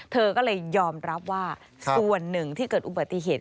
เธอก็เลยยอมรับว่าส่วนหนึ่งที่เกิดอุบัติเหตุ